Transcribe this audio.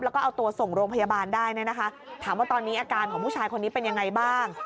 แล้วก็เอาตัวส่งโรงพยาบาลได้เนี่ยนะคะถามว่าตอนนี้อาการของผู้ชายคนนี้เป็นยังไงบ้าง